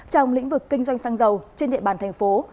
trong lĩnh vực kinh doanh xăng dầu trên địa bàn thành phố